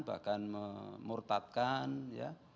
bahkan memurtadkan ya